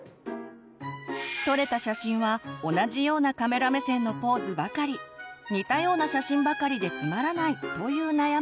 撮れた写真は同じようなカメラ目線のポーズばかり似たような写真ばかりでつまらないという悩みも。